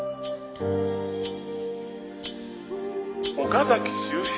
「岡崎周平。